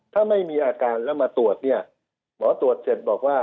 ถ้าไม่มีอาการแล้วมาตรวจเนี่ยหมอตรวจเสร็จบอกว่า